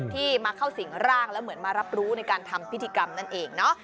ที่มาเข้าสิ่งร่างแล้วเหมือนมารับรู้ในการทำพิธีกรรมนั่นเองเนาะ